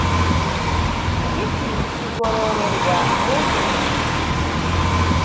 Igiti kigororerwa mu mizi